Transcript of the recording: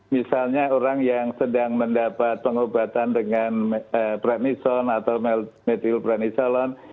misalnya orang yang sedang mendapat pengobatan dengan pranisone atau melpranisolon